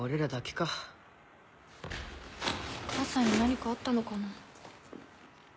かあさんに何かあったのかな。